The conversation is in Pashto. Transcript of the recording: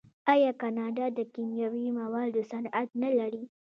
آیا کاناډا د کیمیاوي موادو صنعت نلري؟